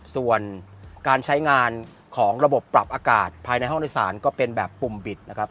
ส่วนการใช้งานของระบบปรับอากาศภายในห้องโดยสารก็เป็นแบบปุ่มบิดนะครับ